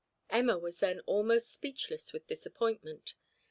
Emma was then almost speechless with disappointment.